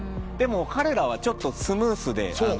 でも彼らはちょっとスムースで。